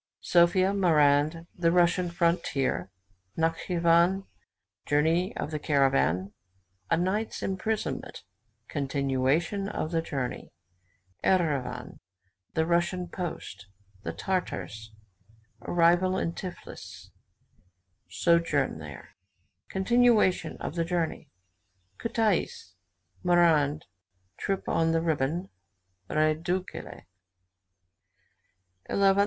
SOPHIA MARAND THE RUSSIAN FRONTIER NATSCHIVAN JOURNEY OF THE CARAVAN A NIGHT'S IMPRISONMENT CONTINUATION OF THE JOURNEY ERIVAN THE RUSSIAN POST THE TARTARS ARRIVAL IN TIFLIS SOJOURN THERE CONTINUATION OF THE JOURNEY KUTAIS MARAND TRIP ON THE RIBON REDUTKALE.